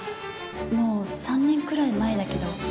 もう３年くらい前だけど。